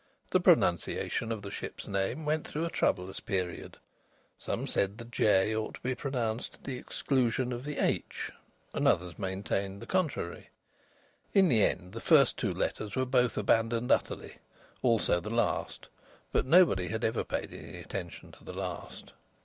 The pronunciation of the ship's name went through a troublous period. Some said the "j" ought to be pronounced to the exclusion of the "h," and others maintained the contrary. In the end the first two letters were both abandoned utterly, also the last but nobody had ever paid any attention to the last.